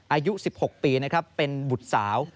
อายุ๑๖ปีนะครับเป็นบุตรสาว